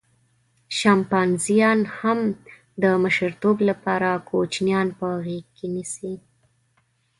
شامپانزیان هم د مشرتوب لپاره کوچنیان په غېږه کې نیسي.